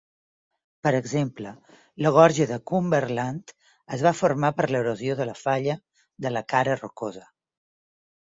Per exemple, la gorja de Cumberland es va formar per l'erosió de la Falla de la Cara Rocosa.